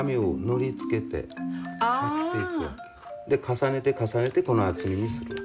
重ねて重ねてこの厚みにする訳。